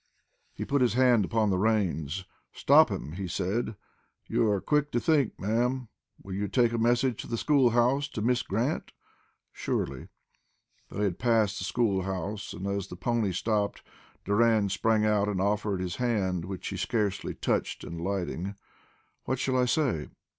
He put his hand upon the reins. "Stop him," he said. "You are quick to think, madam. Will you take a message to the school house to Miss Grant?" "Surely." They had passed the school house and as the pony stopped, Doran sprang out and offered his hand, which she scarcely touched in alighting. "What shall I say?"